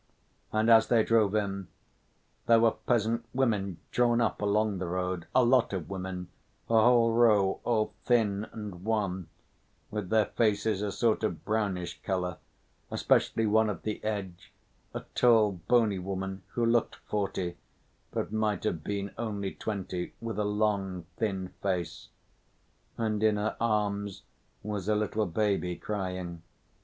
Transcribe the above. And as they drove in, there were peasant women drawn up along the road, a lot of women, a whole row, all thin and wan, with their faces a sort of brownish color, especially one at the edge, a tall, bony woman, who looked forty, but might have been only twenty, with a long thin face. And in her arms was a little baby crying.